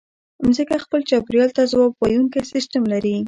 مځکه خپل چاپېریال ته ځواب ویونکی سیستم لري.